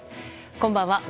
こんばんは。